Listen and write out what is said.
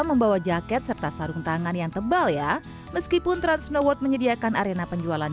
membawa jaket serta sarung tangan yang tebal ya meskipun transnoword menyediakan arena penjualan